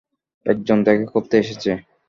একজন দেখা করতে এসেছে।